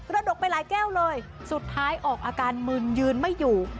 ดกไปหลายแก้วเลยสุดท้ายออกอาการมึนยืนไม่อยู่